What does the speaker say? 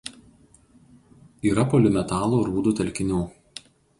Yra polimetalų rūdų telkinių.